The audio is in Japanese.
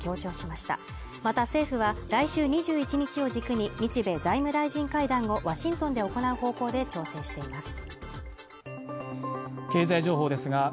また政府は来週２１日を軸に日米財務大臣会談をワシントンで行う方向で調整しています